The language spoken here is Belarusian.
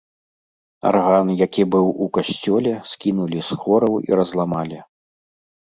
Арган, які быў у касцёле, скінулі з хораў і разламалі.